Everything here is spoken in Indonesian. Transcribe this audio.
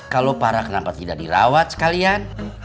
kalau parah kenapa tidak dirawat sekalian